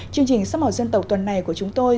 chương trình sắp màu dân tộc tuần này của chúng tôi